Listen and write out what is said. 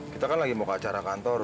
kita kan lagi mau ke acara kantor